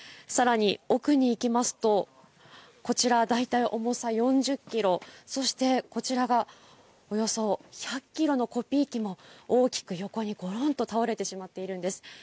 さらに奥に行きますと、こちら大体、重さ４０キロ、そしてこちらがおよそ１００キロのコピー機も大きく横にゴロンと倒れてしまっているんです。